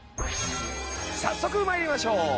早速参りましょう。